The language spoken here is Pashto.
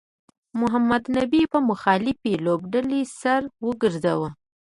محمد نبي په مخالفې لوبډلې سر وګرځاوه